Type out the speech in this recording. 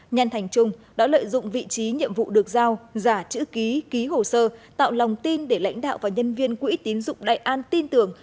nhan thành trung đã lợi dụng vị trí nhiệm vụ được giao giả chữ ký ký hồ sơ tạo lòng tin để lãnh đạo và nhân viên quỹ tín dụng đại an tin tưởng